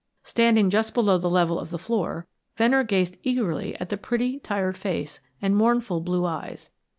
Standing just below the level of the floor, Venner gazed eagerly at the pretty tired face and mournful blue eyes.